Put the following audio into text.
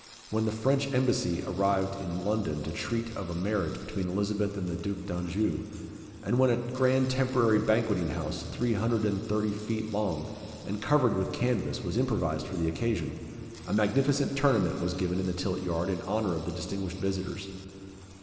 When the French Embassy arrived in London to treat of a marriage between Elizabeth and the Duc d'Anjou, and when a grand temporary banqueting house, three hundred and thirty feet long, and covered with canvas, was improvised for the occasion, a magnificent tournament was given in the tilt yard in honour of the distinguished visitors.